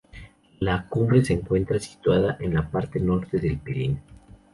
La cumbre se encuentra situada en la parte norte del Pirin.